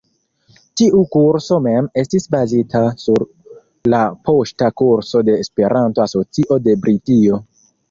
Tiu kurso mem estis bazita sur la poŝta kurso de Esperanto-Asocio de Britio.